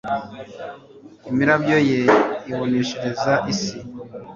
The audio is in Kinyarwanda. imirabyo ye iboneshereza isi